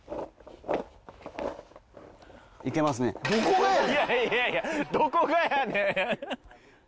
いやいやどこがやねん！